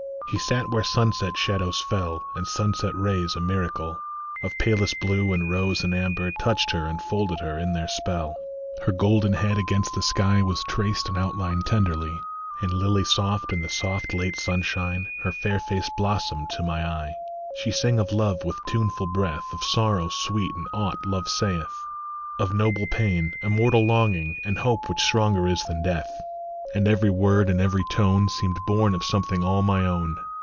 HE sat where sunset shadows fell, And sunset rays, a miracle Of palest blue and rose and amber, Touched her and folded in their spell. Her golden head against the sky Was traced and outlined tenderly, And, lily soft in the soft late sunshine, Her fair face blossomed to my eye. She sang o f k>ve with tuneful breath, Of sorrow, sweet as aught love saith ; Of noble pain, immortal longing, And hope which stronger is than death. And every word and every tone Seemed born of something all my own.